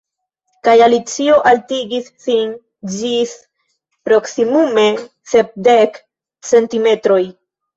Kaj Alicio altigis sin ĝis proksimume sepdek centimetroj.